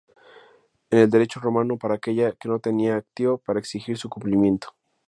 En el Derecho Romano era aquella que no tenía "actio" para exigir su cumplimiento.